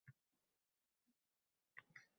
Pushkin she’ri